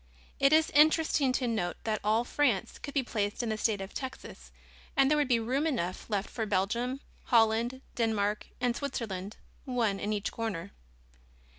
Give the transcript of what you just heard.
It is interesting to note that all France could be placed in the state of Texas and there would be room enough left for Belgium, Holland, Denmark and Switzerland, one in each corner.